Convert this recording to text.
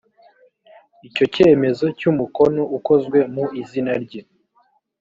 icyo cyemezo cy’umukono ukozwe mu izina rye